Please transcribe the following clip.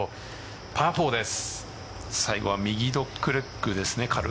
パー４です。